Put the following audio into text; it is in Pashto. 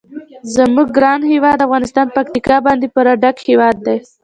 زموږ ګران هیواد افغانستان په پکتیکا باندې پوره ډک هیواد دی.